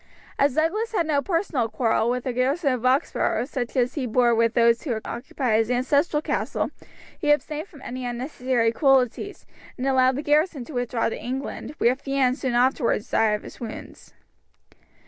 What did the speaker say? As Douglas had no personal quarrel with the garrison of Roxburgh such as he bore with those who occupied his ancestral castle, he abstained from any unnecessary cruelties, and allowed the garrison to withdraw to England, where Fienne soon afterwards died of his wounds.